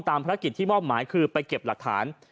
ภารกิจที่มอบหมายคือไปเก็บหลักฐาน